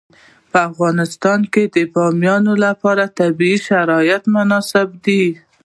په افغانستان کې د بامیان لپاره طبیعي شرایط مناسب دي.